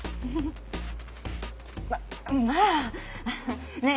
まあねえ